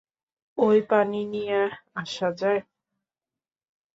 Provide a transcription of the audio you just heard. ঐ পানি নিয়ে আসা যায়।